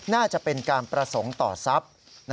น่าจะเป็นการประสงค์ต่อทรัพย์